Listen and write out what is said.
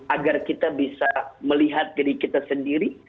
agar kita bisa melihat diri kita sendiri